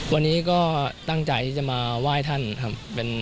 วันนี้ก็ตั้งใจที่จะมาไหว้ท่านครับ